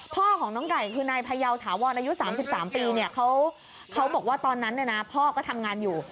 พ่อของน้องไก่คือนายพยาวถาวรอายุ๓๓ปีเนี่ยเขาบอกว่าตอนนั้นพ่อก็ทำงานอยู่